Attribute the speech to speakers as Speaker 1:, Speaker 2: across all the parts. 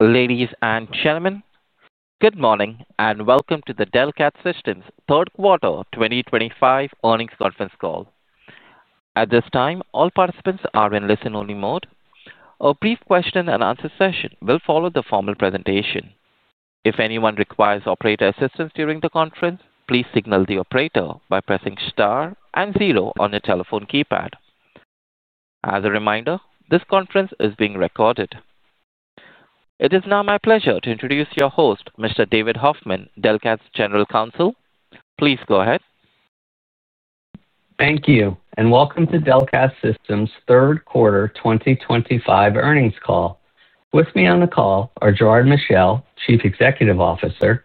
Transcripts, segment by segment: Speaker 1: Ladies and gentlemen, good morning and welcome to the Delcath Systems Q3 2025 earnings conference call. At this time, all participants are in listen-only mode. A brief question-and-answer session will follow the formal presentation. If anyone requires operator assistance during the conference, please signal the operator by pressing Star and Zero on your telephone keypad. As a reminder, this conference is being recorded. It is now my pleasure to introduce your host, Mr. David Hoffman, Delcath's General Counsel. Please go ahead.
Speaker 2: Thank you, and welcome to Delcath Systems Q3 2025 earnings call. With me on the call are Gerard Michel, Chief Executive Officer;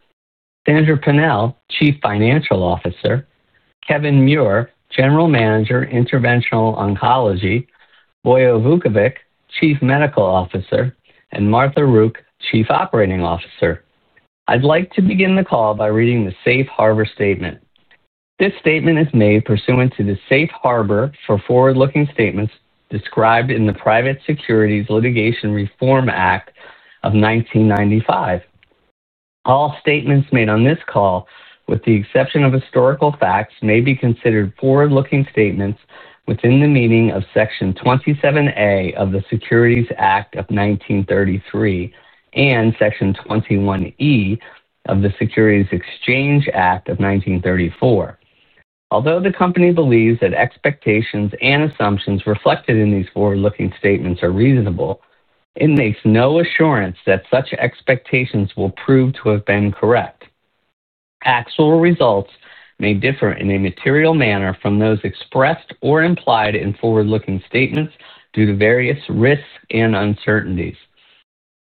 Speaker 2: Sandra Pennell, Chief Financial Officer; Kevin Muir, General Manager, Interventional Oncology; Boya Vukovic, Chief Medical Officer; and Martha Rook, Chief Operating Officer. I'd like to begin the call by reading the Safe Harbor Statement. This statement is made pursuant to the safe harbor for forward-looking statements described in the Private Securities Litigation Reform Act of 1995. All statements made on this call, with the exception of historical facts, may be considered forward-looking statements within the meaning of Section 27A of the Securities Act of 1933 and Section 21E of the Securities Exchange Act of 1934. Although the company believes that expectations and assumptions reflected in these forward-looking statements are reasonable, it makes no assurance that such expectations will prove to have been correct. Actual results may differ in a material manner from those expressed or implied in forward-looking statements due to various risks and uncertainties.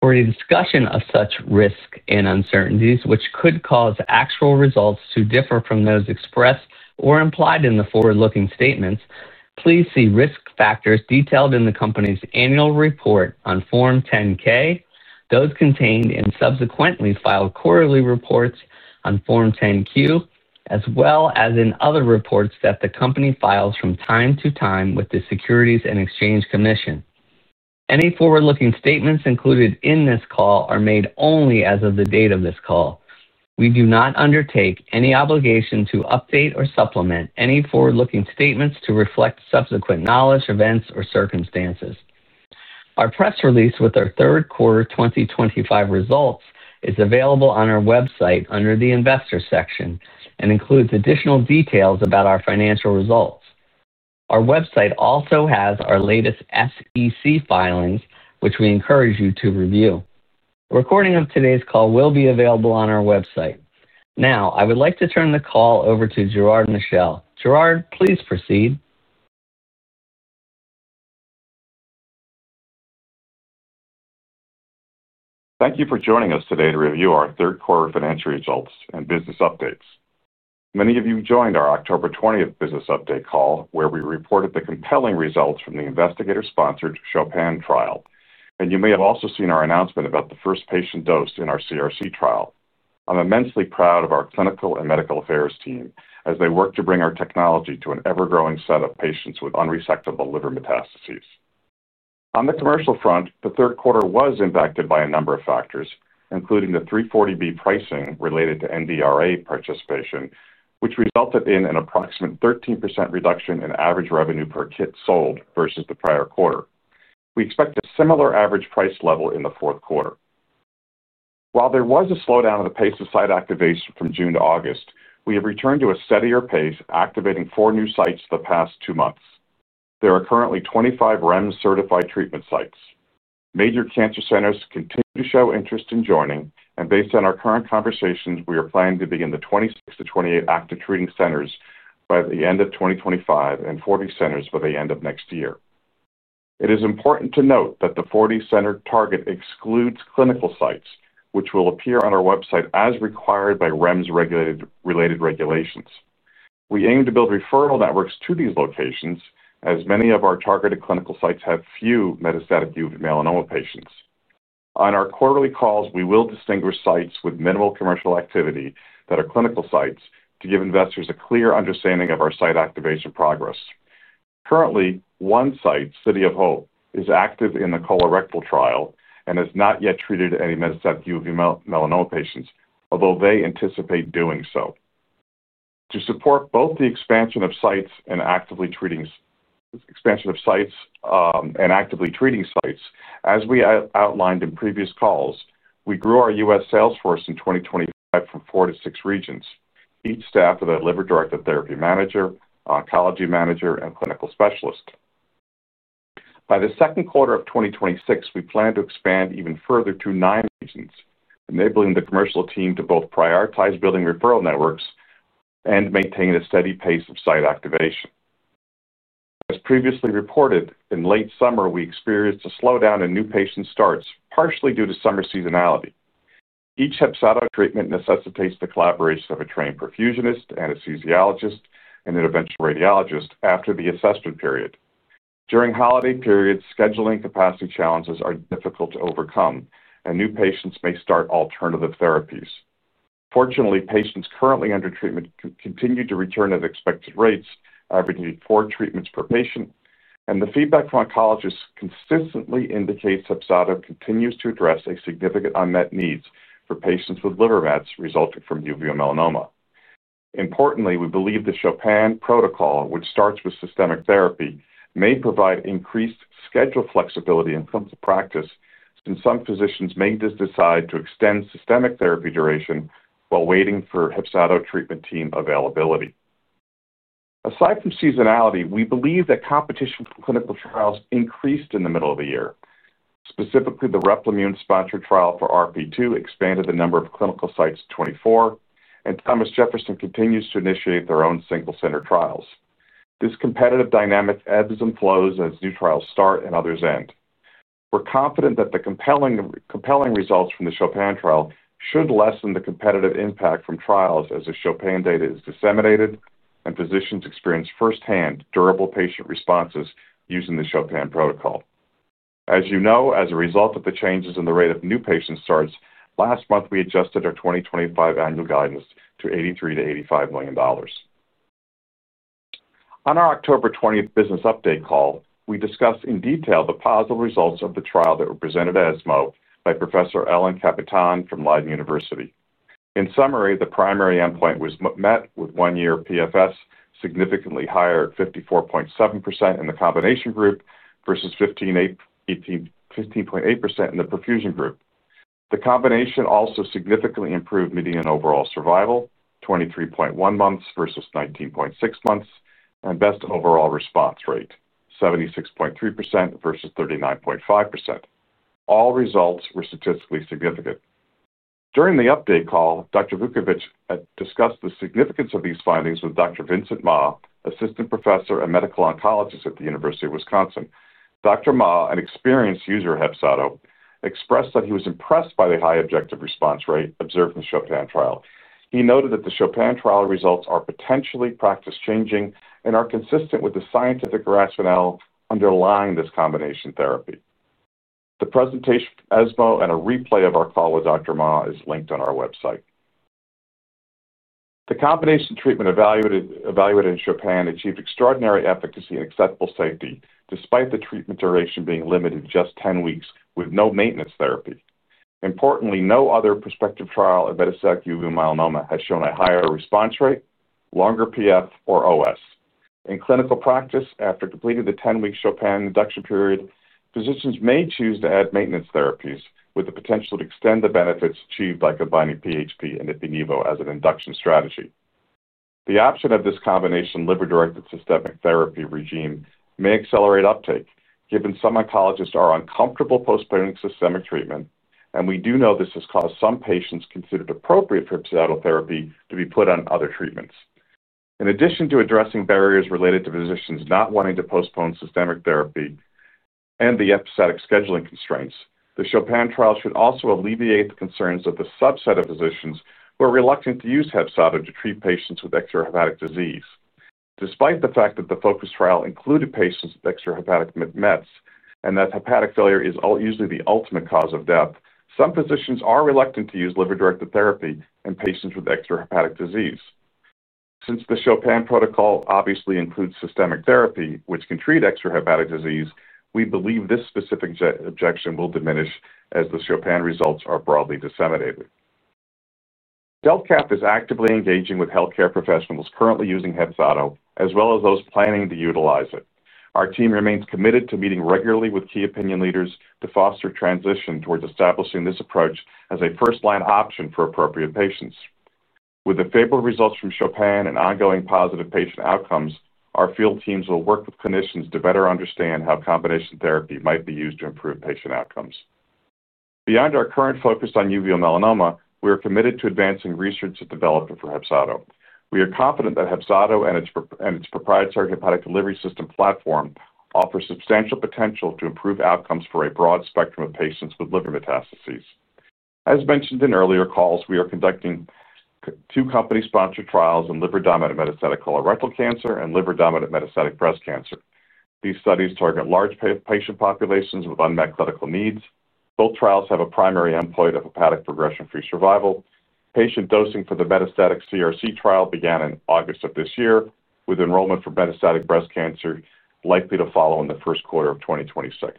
Speaker 2: For a discussion of such risks and uncertainties, which could cause actual results to differ from those expressed or implied in the forward-looking statements, please see risk factors detailed in the company's annual report on Form 10-K, those contained in subsequently filed quarterly reports on Form 10-Q, as well as in other reports that the company files from time to time with the Securities and Exchange Commission. Any forward-looking statements included in this call are made only as of the date of this call. We do not undertake any obligation to update or supplement any forward-looking statements to reflect subsequent knowledge, events, or circumstances. Our press release with our Q3 2025 results is available on our website under the Investor section and includes additional details about our financial results. Our website also has our latest SEC filings, which we encourage you to review. A recording of today's call will be available on our website. Now, I would like to turn the call over to Gerard Michel. Gerard, please proceed.
Speaker 3: Thank you for joining us today to review our Q3 financial results and business updates. Many of you joined our October 20 business update call, where we reported the compelling results from the investigator-sponsored Chopin trial, and you may have also seen our announcement about the first patient dosed in our CRC trial. I'm immensely proud of our clinical and medical affairs team as they work to bring our technology to an ever-growing set of patients with unresectable liver metastases. On the commercial front, the Q3 was impacted by a number of factors, including the 340B pricing related to NDRA participation, which resulted in an approximate 13% reduction in average revenue per kit sold versus the prior quarter. We expect a similar average price level in the Q4. While there was a slowdown in the pace of site activation from June to August, we have returned to a steadier pace, activating four new sites the past two months. There are currently 25 REMS-certified treatment sites. Major cancer centers continue to show interest in joining, and based on our current conversations, we are planning to begin the 26-28 active treating centers by the end of 2025 and 40 centers by the end of next year. It is important to note that the 40-center target excludes clinical sites, which will appear on our website as required by REMS-related regulations. We aim to build referral networks to these locations, as many of our targeted clinical sites have few metastatic uveal melanoma patients. On our quarterly calls, we will distinguish sites with minimal commercial activity that are clinical sites to give investors a clear understanding of our site activation progress. Currently, one site, City of Hope, is active in the colorectal trial and has not yet treated any metastatic uveal melanoma patients, although they anticipate doing so. To support both the expansion of sites and actively treating sites, as we outlined in previous calls, we grew our U.S. sales force in 2025 from four to six regions, each staffed with a liver-directed therapy manager, oncology manager, and clinical specialist. By the Q2 of 2026, we plan to expand even further to nine regions, enabling the commercial team to both prioritize building referral networks and maintain a steady pace of site activation. As previously reported, in late summer, we experienced a slowdown in new patient starts, partially due to summer seasonality. Each episodic treatment necessitates the collaboration of a trained perfusionist, anesthesiologist, and interventional radiologist after the assessment period. During holiday periods, scheduling capacity challenges are difficult to overcome, and new patients may start alternative therapies. Fortunately, patients currently under treatment continue to return at expected rates, averaging four treatments per patient, and the feedback from oncologists consistently indicates HEPZATO Kit continues to address a significant unmet need for patients with liver metastasis resulting from uveal melanoma. Importantly, we believe the Chopin protocol, which starts with systemic therapy, may provide increased schedule flexibility in clinical practice since some physicians may just decide to extend systemic therapy duration while waiting for HEPZATO treatment team availability. Aside from seasonality, we believe that competition for clinical trials increased in the middle of the year. Specifically, the Replimune sponsor trial for RP2 expanded the number of clinical sites to 24, and Thomas Jefferson continues to initiate their own single-center trials. This competitive dynamic ebbs and flows as new trials start and others end. We're confident that the compelling results from the Chopin trial should lessen the competitive impact from trials as the Chopin data is disseminated and physicians experience firsthand durable patient responses using the Chopin protocol. As you know, as a result of the changes in the rate of new patient starts, last month we adjusted our 2025 annual guidance to $83-$85 million. On our Q2 business update call, we discussed in detail the positive results of the trial that was presented at ESMO by Professor Ellen Capitan from Leiden University. In summary, the primary endpoint was met with one-year PFS significantly higher, at 54.7% in the combination group versus 15.8% in the perfusion group. The combination also significantly improved median overall survival, 23.1 months versus 19.6 months, and best overall response rate, 76.3% versus 39.5%. All results were statistically significant. During the update call, Dr. Vojislav Vukovic discussed the significance of these findings with Dr. Vincent Ma, Assistant Professor and Medical Oncologist at the University of Wisconsin–Madison. Dr. Ma, an experienced user of HEPZATO, expressed that he was impressed by the high objective response rate observed in the Chopin trial. He noted that the Chopin trial results are potentially practice-changing and are consistent with the scientific rationale underlying this combination therapy. The presentation at ESMO and a replay of our call with Dr. Ma is linked on our website. The combination treatment evaluated in Chopin achieved extraordinary efficacy and acceptable safety despite the treatment duration being limited to just 10 weeks with no maintenance therapy. Importantly, no other prospective trial of metastatic uveal melanoma has shown a higher response rate, longer PFS, or OS. In clinical practice, after completing the 10-week Chopin induction period, physicians may choose to add maintenance therapies with the potential to extend the benefits achieved by combining PHP and Ipilnivo as an induction strategy. The option of this combination liver-directed systemic therapy regimen may accelerate uptake, given some oncologists are uncomfortable postponing systemic treatment, and we do know this has caused some patients to consider it appropriate for HEPZATO therapy to be put on other treatments. In addition to addressing barriers related to physicians not wanting to postpone systemic therapy and the episodic scheduling constraints, the Chopin trial should also alleviate the concerns of the subset of physicians who are reluctant to use HEPZATO to treat patients with extrahepatic disease. Despite the fact that the FOCUS trial included patients with extrahepatic metastasis and that hepatic failure is usually the ultimate cause of death, some physicians are reluctant to use liver-directed therapy in patients with extrahepatic disease. Since the CHOPIN protocol obviously includes systemic therapy, which can treat extrahepatic disease, we believe this specific objection will diminish as the CHOPIN results are broadly disseminated. Delcath is actively engaging with healthcare professionals currently using HEPZATO, as well as those planning to utilize it. Our team remains committed to meeting regularly with key opinion leaders to foster transition towards establishing this approach as a first-line option for appropriate patients. With the favorable results from CHOPIN and ongoing positive patient outcomes, our field teams will work with clinicians to better understand how combination therapy might be used to improve patient outcomes. Beyond our current focus on uveal melanoma, we are committed to advancing research and development for HEPZATO. We are confident that HEPZATO and its proprietary hepatic delivery system platform offer substantial potential to improve outcomes for a broad spectrum of patients with liver metastases. As mentioned in earlier calls, we are conducting two company-sponsored trials in liver-dominant metastatic colorectal cancer and liver-dominant metastatic breast cancer. These studies target large patient populations with unmet clinical needs. Both trials have a primary endpoint of hepatic progression-free survival. Patient dosing for the metastatic CRC trial began in August of this year, with enrollment for metastatic breast cancer likely to follow in the Q1 of 2026.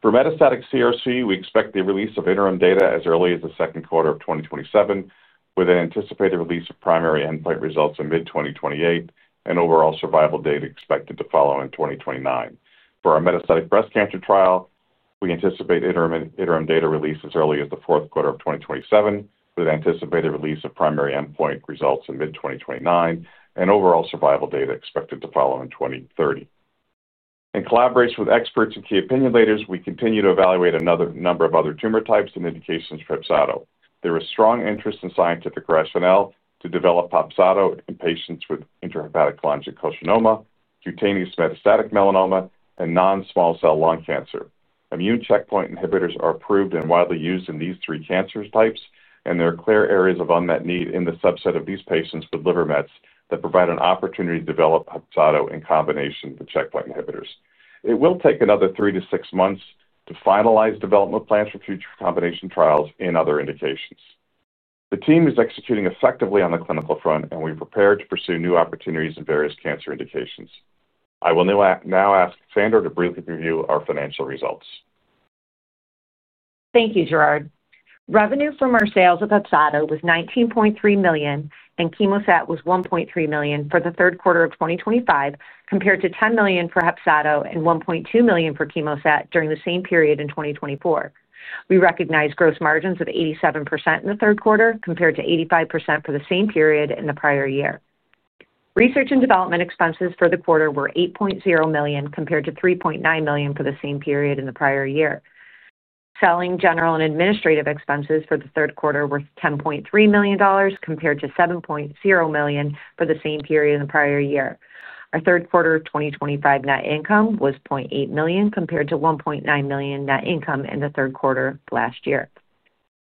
Speaker 3: For metastatic CRC, we expect the release of interim data as early as the Q2 of 2027, with an anticipated release of primary endpoint results in mid-2028, and overall survival data expected to follow in 2029. For our metastatic breast cancer trial, we anticipate interim data release as early as the Q4 of 2027, with anticipated release of primary endpoint results in mid-2029, and overall survival data expected to follow in 2030. In collaboration with experts and key opinion leaders, we continue to evaluate a number of other tumor types and indications for HEPZATO. There is strong interest in scientific rationale to develop HEPZATO in patients with intrahepatic cholangiocarcinoma, cutaneous metastatic melanoma, and non-small cell lung cancer. Immune checkpoint inhibitors are approved and widely used in these three cancer types, and there are clear areas of unmet need in the subset of these patients with liver metastasis that provide an opportunity to develop HEPZATO in combination with checkpoint inhibitors. It will take another three to six months to finalize development plans for future combination trials and other indications. The team is executing effectively on the clinical front, and we are prepared to pursue new opportunities in various cancer indications. I will now ask Sandra to briefly review our financial results.
Speaker 4: Thank you, Gerard. Revenue from our sales of HEPZATO was $19.3 million, and CHEMOSAT was $1.3 million for the Q3 of 2025, compared to $10 million for HEPZATO and $1.2 million for CHEMOSAT during the same period in 2024. We recognize gross margins of 87% in the Q3, compared to 85% for the same period in the prior year. Research and development expenses for the quarter were $8.0 million compared to $3.9 million for the same period in the prior year. Selling, general, and administrative expenses for the Q3 were $10.3 million, compared to $7.0 million for the same period in the prior year. Our Q3 2025 net income was $0.8 million, compared to $1.9 million net income in the Q3 of last year.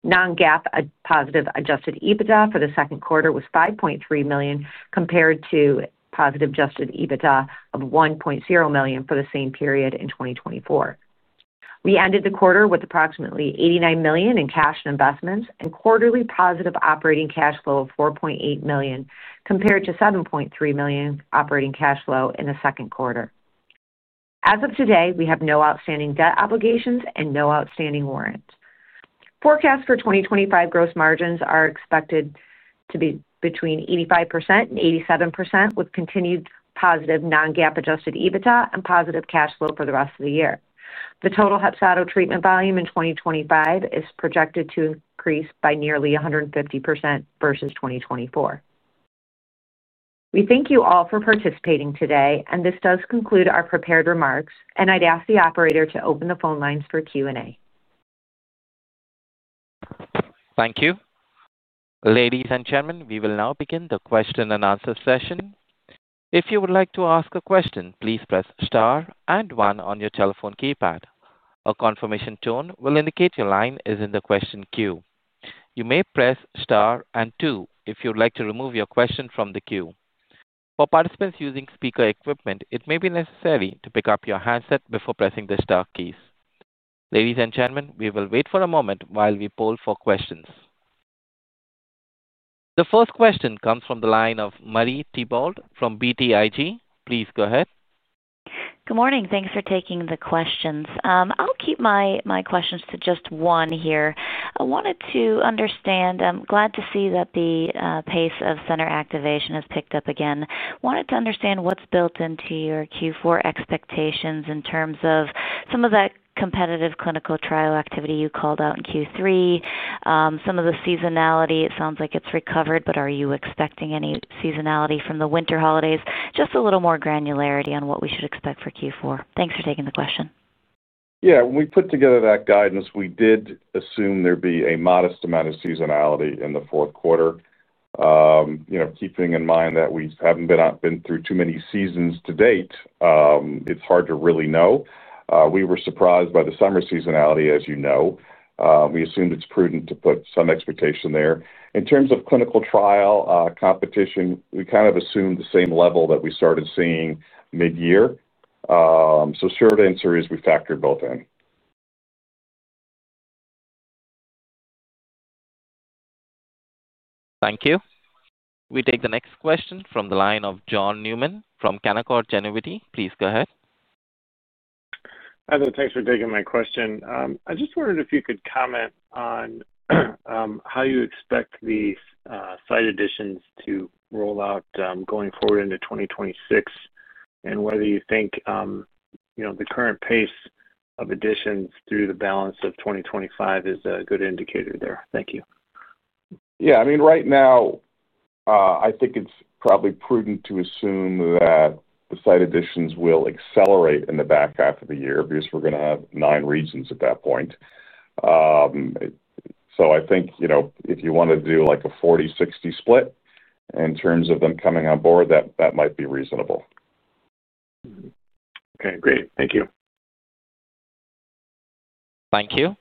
Speaker 4: Non-GAAP positive adjusted EBITDA for the Q2 was $5.3 million, compared to positive adjusted EBITDA of $1.0 million for the same period in 2024. We ended the quarter with approximately $89 million in cash and investments, and quarterly positive operating cash flow of $4.8 million, compared to $7.3 million operating cash flow in the Q2. As of today, we have no outstanding debt obligations and no outstanding warrants. Forecast for 2025 gross margins are expected to be between 85%-87%, with continued positive non-GAAP adjusted EBITDA and positive cash flow for the rest of the year. The total HEPZATO treatment volume in 2025 is projected to increase by nearly 150% versus 2024. We thank you all for participating today, and this does conclude our prepared remarks, and I'd ask the operator to open the phone lines for Q&A.
Speaker 1: Thank you. Ladies and gentlemen, we will now begin the question and answer session. If you would like to ask a question, please press Star and 1 on your telephone keypad. A confirmation tone will indicate your line is in the question queue. You may press Star and 2 if you would like to remove your question from the queue. For participants using speaker equipment, it may be necessary to pick up your handset before pressing the Star keys. Ladies and gentlemen, we will wait for a moment while we poll for questions. The first question comes from the line of Marie Thibault from BTIG. Please go ahead.
Speaker 5: Good morning. Thanks for taking the questions. I'll keep my questions to just one here. I wanted to understand, I'm glad to see that the pace of center activation has picked up again. I wanted to understand what's built into your Q4 expectations in terms of some of that competitive clinical trial activity you called out in Q3, some of the seasonality. It sounds like it's recovered, but are you expecting any seasonality from the winter holidays? Just a little more granularity on what we should expect for Q4. Thanks for taking the question.
Speaker 3: Yeah. When we put together that guidance, we did assume there'd be a modest amount of seasonality in the Q4. Keeping in mind that we haven't been through too many seasons to date, it's hard to really know. We were surprised by the summer seasonality, as you know. We assumed it's prudent to put some expectation there. In terms of clinical trial competition, we kind of assumed the same level that we started seeing mid-year. The short answer is we factored both in.
Speaker 1: Thank you. We take the next question from the line of John Newman from Canaccord Genuity. Please go ahead.
Speaker 6: Hi there. Thanks for taking my question. I just wondered if you could comment on how you expect the site additions to roll out going forward into 2026 and whether you think the current pace of additions through the balance of 2025 is a good indicator there. Thank you.
Speaker 3: Yeah. I mean, right now. I think it's probably prudent to assume that the site additions will accelerate in the back half of the year because we're going to have nine regions at that point. I think if you want to do a 40/60 split in terms of them coming on board, that might be reasonable.
Speaker 6: Okay. Great. Thank you.
Speaker 1: Thank you.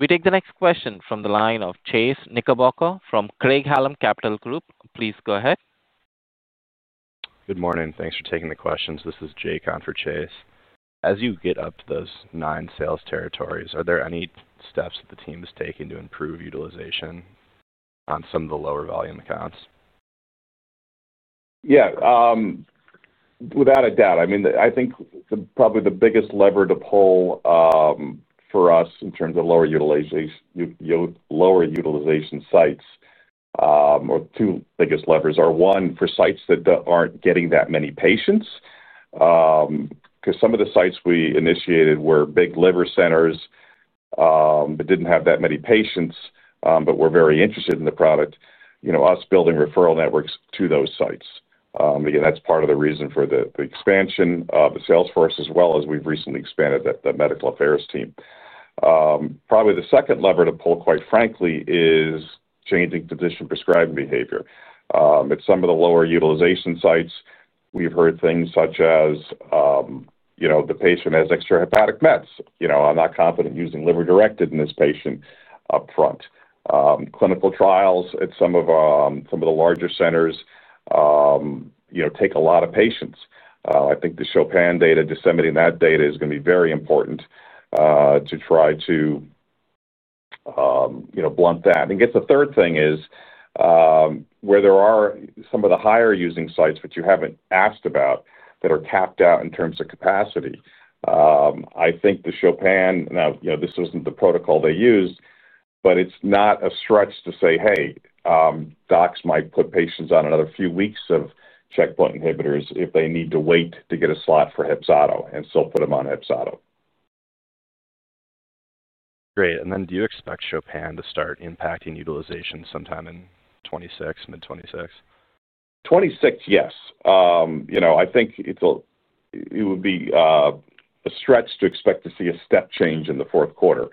Speaker 1: We take the next question from the line of Chase Knickerbocke from Craig Hallum Capital Group. Please go ahead. Good morning. Thanks for taking the questions. This is Jake on for Chase. As you get up to those nine sales territories, are there any steps that the team is taking to improve utilization on some of the lower volume accounts?
Speaker 3: Yeah. Without a doubt. I mean, I think probably the biggest lever to pull for us in terms of lower utilization sites, or two biggest levers are, one, for sites that aren't getting that many patients. Because some of the sites we initiated were big liver centers that didn't have that many patients but were very interested in the product, us building referral networks to those sites. Again, that's part of the reason for the expansion of the sales force, as well as we've recently expanded the medical affairs team. Probably the second lever to pull, quite frankly, is changing physician prescribing behavior. At some of the lower utilization sites, we've heard things such as, "The patient has extrahepatic metastasis. I'm not confident using liver-directed in this patient upfront." Clinical trials at some of the larger centers take a lot of patients. I think the Chopin data, disseminating that data, is going to be very important to try to blunt that. I think the third thing is where there are some of the higher-using sites that you haven't asked about that are capped out in terms of capacity. I think the Chopin—now, this wasn't the protocol they used—but it's not a stretch to say, "Hey. Docs might put patients on another few weeks of checkpoint inhibitors if they need to wait to get a slot for Hepzato," and still put them on Hepzato. Great. Do you expect Chopin to start impacting utilization sometime in 2026, mid-2026? Twenty-six, yes. I think it would be a stretch to expect to see a step change in the Q4.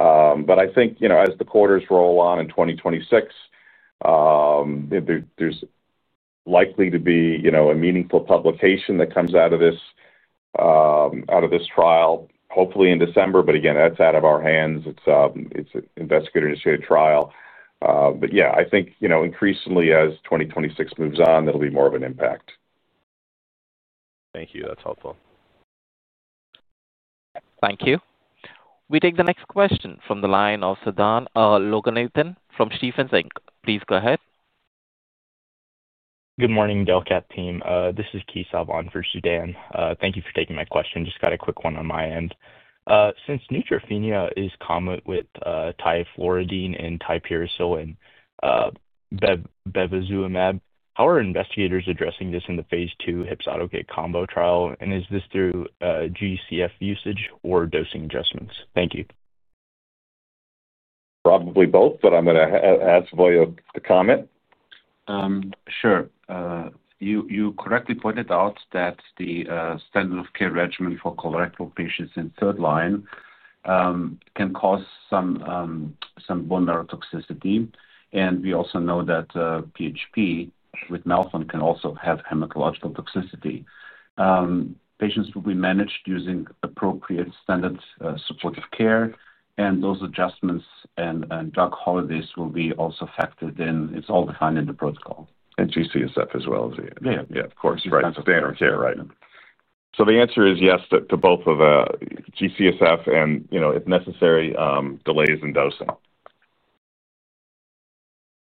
Speaker 3: I think as the quarters roll on in 2026, there's likely to be a meaningful publication that comes out of this trial, hopefully in December. Again, that's out of our hands. It's an investigator-initiated trial. Yeah, I think increasingly as 2026 moves on, that'll be more of an impact. Thank you. That's helpful.
Speaker 1: Thank you. We take the next question from the line of Sudan Loganathan from Stephens. Please go ahead. Good morning, Delcath team. This is Keith Salvan for Sudan. Thank you for taking my question. Just got a quick one on my end. Since neutropenia is common with trifluridine and tipiracil, bevacizumab, how are investigators addressing this in the phase II HEPZATO/GAAT combo trial? Is this through GCSF usage or dosing adjustments? Thank you.
Speaker 3: Probably both, but I'm going to ask Vojislav to comment.
Speaker 7: Sure. You correctly pointed out that the standard of care regimen for colorectal patients in third line can cause some bone marrow toxicity. And we also know that PHP with melphalan can also have hematological toxicity. Patients will be managed using appropriate standard supportive care, and those adjustments and drug holidays will be also factored in. It's all defined in the protocol. GCSF as well.
Speaker 3: Yeah. Yeah. Of course. Right. Standard of care, right? So the answer is yes to both of GCSF and, if necessary, delays in dosing.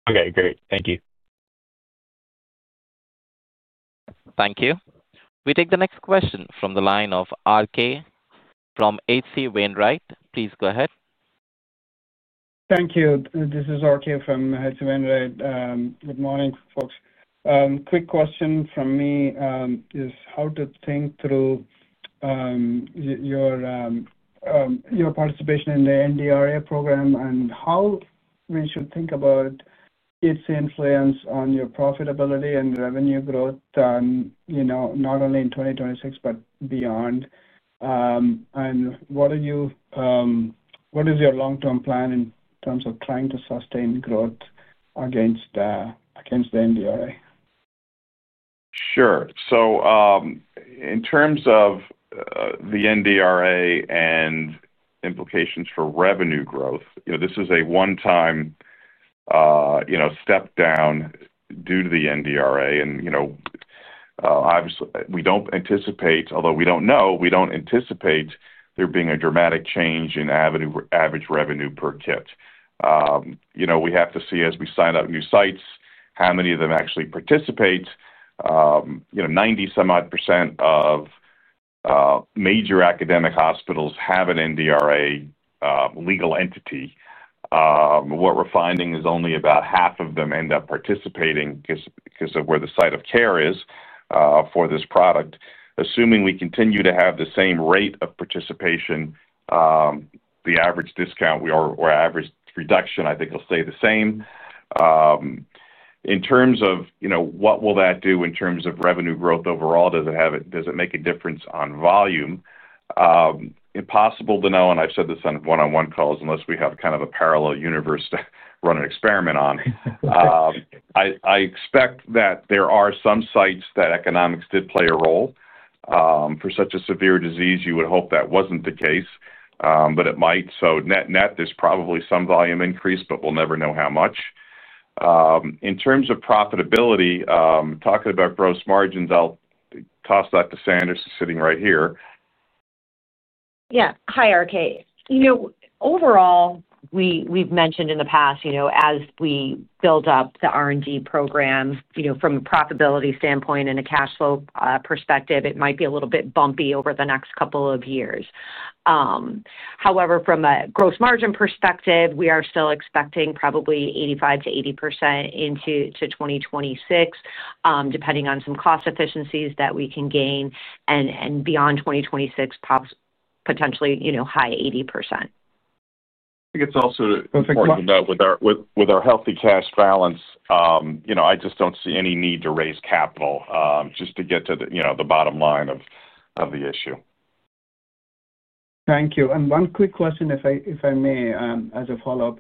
Speaker 3: Okay. Great. Thank you.
Speaker 1: Thank you. We take the next question from the line of RK from H.C. Wainwright. Please go ahead.
Speaker 8: Thank you. This is RK from H.C. Wainwright. Good morning, folks. Quick question from me is how to think through your participation in the NDRA program and how we should think about its influence on your profitability and revenue growth not only in 2026 but beyond. What is your long-term plan in terms of trying to sustain growth against the NDRA?
Speaker 3: Sure. In terms of the NDRA and implications for revenue growth, this is a one-time step down due to the NDRA. We do not anticipate, although we do not know, we do not anticipate there being a dramatic change in average revenue per kit. We have to see, as we sign up new sites, how many of them actually participate. Ninety-some-odd percent of major academic hospitals have an NDRA legal entity. What we are finding is only about half of them end up participating because of where the site of care is for this product. Assuming we continue to have the same rate of participation, the average discount or average reduction, I think, will stay the same. In terms of what that will do in terms of revenue growth overall, does it make a difference on volume? Impossible to know, and I have said this on one-on-one calls unless we have kind of a parallel universe to run an experiment on. I expect that there are some sites that economics did play a role. For such a severe disease, you would hope that was not the case, but it might. Net-net, there is probably some volume increase, but we will never know how much. In terms of profitability, talking about gross margins, I will toss that to Sandra who is sitting right here.
Speaker 4: Yeah. Hi, RK. Overall. We've mentioned in the past, as we build up the R&D program from a profitability standpoint and a cash flow perspective, it might be a little bit bumpy over the next couple of years. However, from a gross margin perspective, we are still expecting probably 85%-80% into 2026, depending on some cost efficiencies that we can gain. Beyond 2026. Potentially high 80%.
Speaker 3: I think it's also important to note, with our healthy cash balance, I just don't see any need to raise capital just to get to the bottom line of the issue.
Speaker 8: Thank you. And one quick question, if I may, as a follow-up.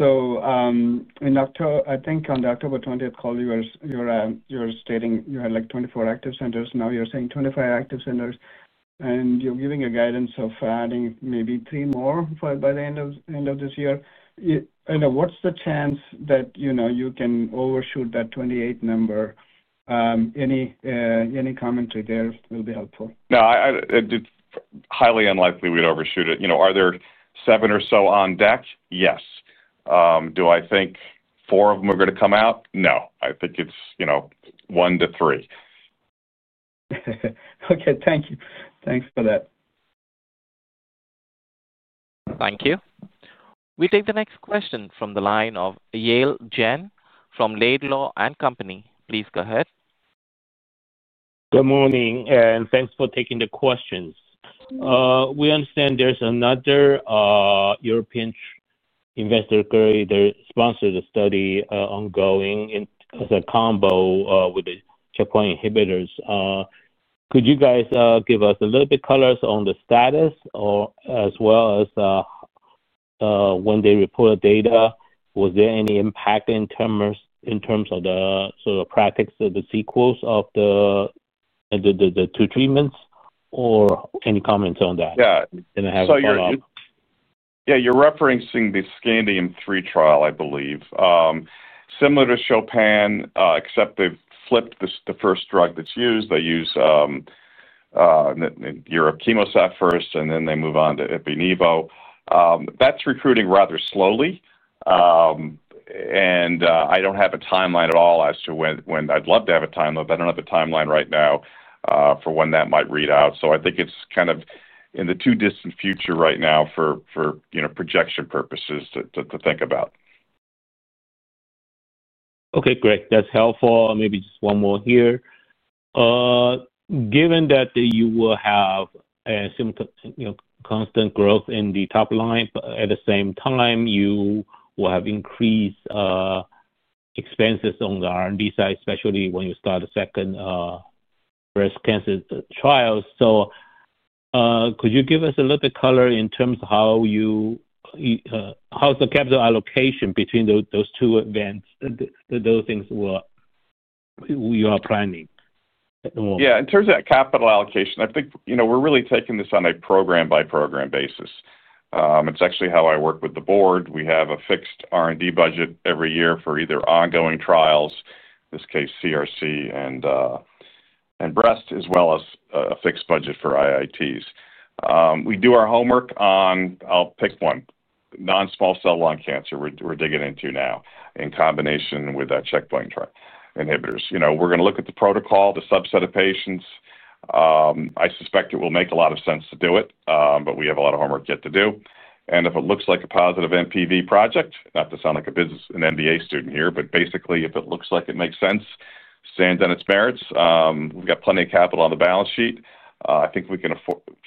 Speaker 8: I think on the October 20th call, you were stating you had like 24 active centers. Now you're saying 25 active centers, and you're giving a guidance of adding maybe three more by the end of this year. What's the chance that you can overshoot that 28 number? Any commentary there will be helpful.
Speaker 3: No. Highly unlikely we'd overshoot it. Are there seven or so on deck? Yes. Do I think four of them are going to come out? No. I think it's one to three.
Speaker 8: Okay. Thank you. Thanks for that.
Speaker 1: Thank you. We take the next question from the line of Yale Jen from Laidlaw & Company. Please go ahead.
Speaker 9: Good morning, and thanks for taking the questions. We understand there's another European investor group that sponsored the study ongoing as a combo with the checkpoint inhibitors. Could you guys give us a little bit of color on the status as well as when they reported data? Was there any impact in terms of the sort of practice of the sequels of the two treatments or any comments on that?
Speaker 3: Yeah. Yeah. You're referencing the Scandium III trial, I believe. Similar to Chopin, except they've flipped the first drug that's used. They use your CHEMOSAT first, and then they move on to epinephrine. That's recruiting rather slowly. I don't have a timeline at all as to when. I'd love to have a timeline, but I don't have a timeline right now for when that might read out. I think it's kind of in the too distant future right now for projection purposes to think about.
Speaker 9: Okay. Great. That's helpful. Maybe just one more here. Given that you will have a constant growth in the top line, but at the same time, you will have increased expenses on the R&D side, especially when you start the second breast cancer trials. Could you give us a little bit of color in terms of how the capital allocation between those two events, those things you are planning?
Speaker 3: Yeah. In terms of that capital allocation, I think we're really taking this on a program-by-program basis. It's actually how I work with the board. We have a fixed R&D budget every year for either ongoing trials, in this case, CRC and breast, as well as a fixed budget for IITs. We do our homework on, I'll pick one, non-small cell lung cancer we're digging into now in combination with checkpoint inhibitors. We're going to look at the protocol, the subset of patients. I suspect it will make a lot of sense to do it, but we have a lot of homework yet to do. If it looks like a positive NPV project, not to sound like an MBA student here, but basically, if it looks like it makes sense, stands in its merits, we've got plenty of capital on the balance sheet, I think we can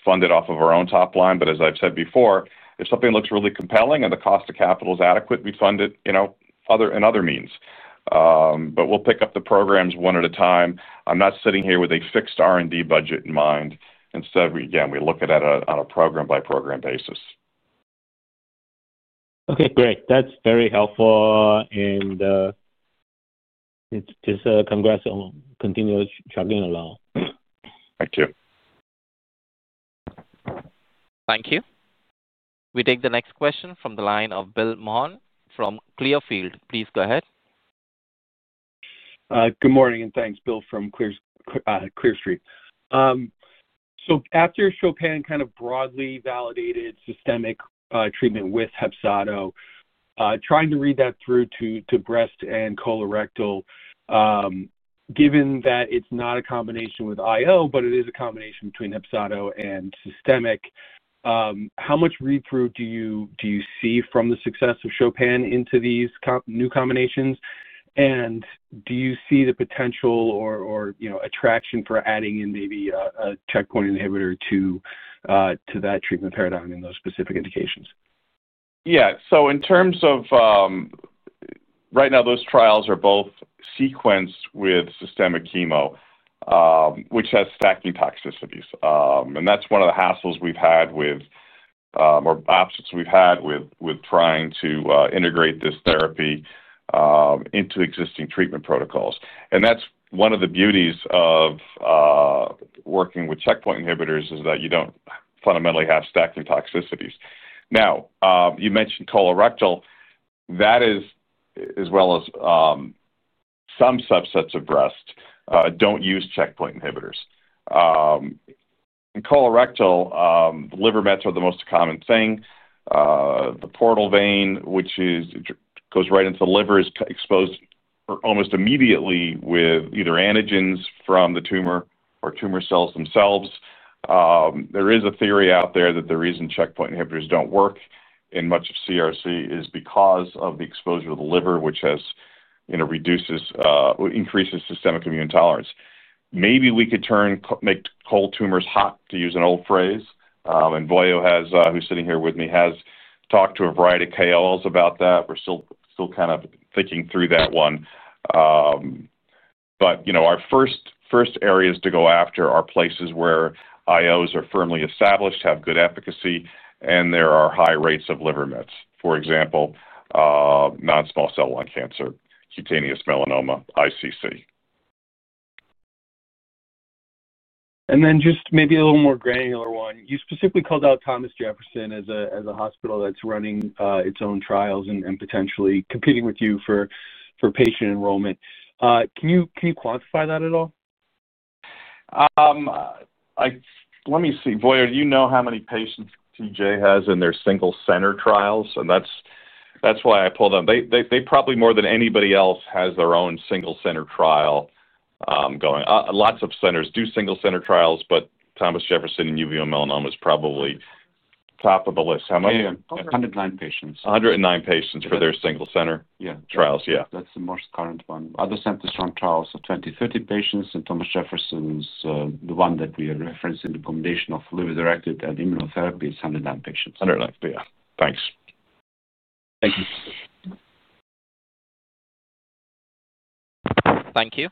Speaker 3: fund it off of our own top line. As I've said before, if something looks really compelling and the cost of capital is adequate, we fund it in other means. We'll pick up the programs one at a time. I'm not sitting here with a fixed R&D budget in mind. Instead, again, we look at it on a program-by-program basis.
Speaker 9: Okay. Great. That's very helpful. Just congrats on continuing to chugging along.
Speaker 3: Thank you.
Speaker 1: Thank you. We take the next question from the line of Bill Mahon from Clearstream. Please go ahead. Good morning and thanks, Bill, from Clearstream. After Chopin kind of broadly validated systemic treatment with HEPZATO, trying to read that through to breast and colorectal. Given that it's not a combination with IO, but it is a combination between HEPZATO and systemic, how much read-through do you see from the success of Chopin into these new combinations? Do you see the potential or attraction for adding in maybe a checkpoint inhibitor to that treatment paradigm in those specific indications?
Speaker 3: Yeah. In terms of right now, those trials are both sequenced with systemic chemo, which has factoring toxicities. That's one of the hassles we've had with, or obstacles we've had with, trying to integrate this therapy into existing treatment protocols. That's one of the beauties of working with checkpoint inhibitors, is that you don't fundamentally have stacking toxicities. You mentioned colorectal. That is, as well as some subsets of breast, don't use checkpoint inhibitors. In colorectal, liver mets are the most common thing. The portal vein, which goes right into the liver, is exposed almost immediately with either antigens from the tumor or tumor cells themselves. There is a theory out there that the reason checkpoint inhibitors don't work in much of CRC is because of the exposure to the liver, which increases systemic immune tolerance. Maybe we could make cold tumors hot, to use an old phrase. And Vojislav, who's sitting here with me, has talked to a variety of KOLs about that. We're still kind of thinking through that one. Our first areas to go after are places where IOs are firmly established, have good efficacy, and there are high rates of liver mets, for example, non-small cell lung cancer, cutaneous melanoma, ICC. Just maybe a little more granular one. You specifically called out Thomas Jefferson as a hospital that's running its own trials and potentially competing with you for patient enrollment. Can you quantify that at all? Let me see. Vojislav, do you know how many patients Thomas Jefferson has in their single-center trials? That's why I pulled them. They probably, more than anybody else, have their own single-center trial. Lots of centers do single-center trials, but Thomas Jefferson and uveal melanoma is probably top of the list. How many?
Speaker 7: 109 patients.
Speaker 3: 109 patients for their single-center trials. Yeah.
Speaker 7: That's the most current one. Other centers run trials of 20, 30 patients, and Thomas Jefferson's the one that we are referencing. The combination of liver-directed and immunotherapy is 109 patients. Yeah. Thanks.
Speaker 3: Thank you.
Speaker 1: Thank you.